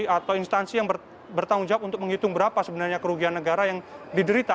atau instansi yang bertanggung jawab untuk menghitung berapa sebenarnya kerugian negara yang diderita